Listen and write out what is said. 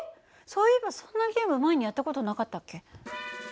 そういえばそんなゲーム前にやった事なかったっけ？